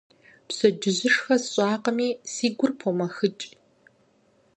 Пщэдджыжьышхэ сщӀакъыми, си гур помэхыкӀ.